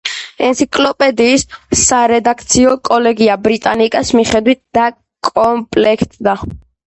ენციკლოპედიის სარედაქციო კოლეგია ბრიტანიკას მიხედვით დაკომპლექტდა.